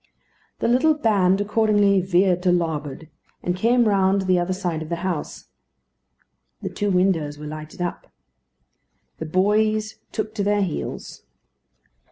The little band accordingly "veered to larboard," and came round to the other side of the house. The two windows were lighted up. The boys took to their heels.